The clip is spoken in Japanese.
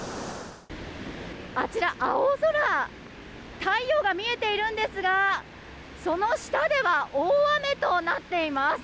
あちら、青空太陽が見えているんですがその下では大雨となっています。